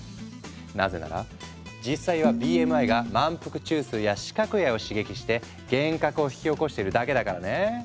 なぜなら実際はＢＭＩが満腹中枢や視覚野を刺激して幻覚を引き起こしてるだけだからね。